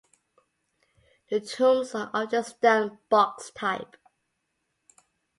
The tombs are of the stone box type.